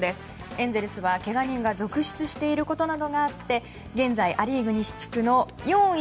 エンゼルスは、けが人が続出していることなどもあって現在、ア・リーグ西地区の４位。